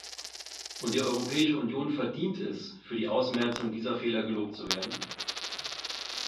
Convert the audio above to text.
Und die Europäische Union verdient es, für die Ausmerzung dieser Fehler gelobt zu werden.